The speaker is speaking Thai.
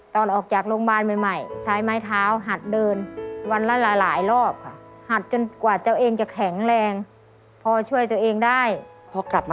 ตอนออกจากโรงพยาบาลใหม่